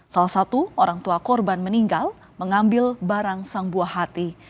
salah satu orang tua korban meninggal mengambil barang sang buah hati